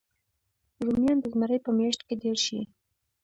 رومیان د زمري په میاشت کې ډېر شي